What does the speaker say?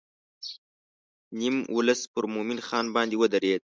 نیم ولس پر مومن خان باندې ودرېد.